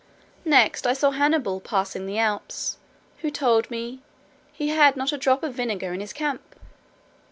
Next, I saw Hannibal passing the Alps, who told me "he had not a drop of vinegar in his camp."